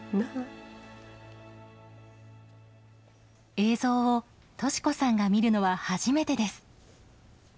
映像を敏子さんが見るのは初めてです。